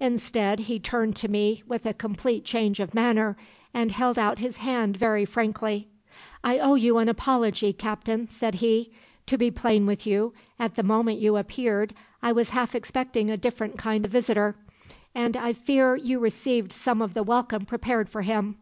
Instead, he turned to me with a complete change of manner, and held out his hand very frankly. "'I owe you an apology, Captain,' said he. 'To be plain with you, at the moment you appeared, I was half expecting a different kind of visitor, and I fear you received some of the welcome prepared for him.